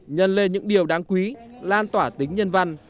nhân lên những điều đáng quý lan tỏa tính nhân văn